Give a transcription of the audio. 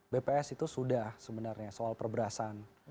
bps itu sudah sebenarnya soal perberasan